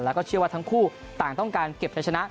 แล้วก็เชื่อว่าทั้งคู่ต่างต้องการเก็บใช้ชนะ